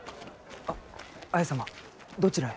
あ綾様どちらへ？